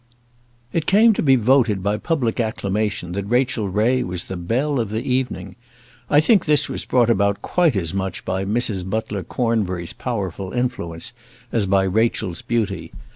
It came to be voted by public acclamation that Rachel Ray was the belle of the evening. I think this was brought about quite as much by Mrs. Butler Cornbury's powerful influence as by Rachel's beauty.